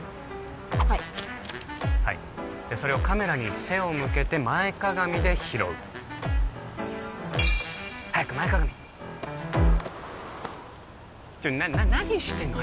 はい☎はいそれをカメラに背を向けて前かがみで拾う早く前かがみちょっと何してんの？